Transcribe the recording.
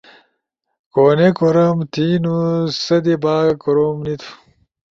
کونے کروم تھینو سدے با کروم نی تُھو۔